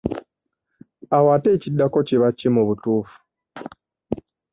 Awo ate ekiddako kiba ki mu butuufu?